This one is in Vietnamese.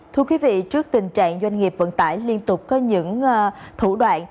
thưa quý vị trước tình trạng doanh nghiệp vận tải liên tục có những thủ đoạn